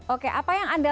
oke apa yang anda